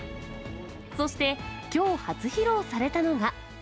そしてきょう初披露されたのが。